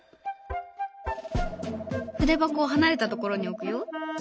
筆箱を離れたところに置くよ。